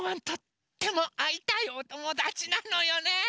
とってもあいたいおともだちなのよね！